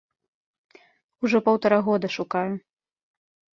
Ужо паўтара года шукаю.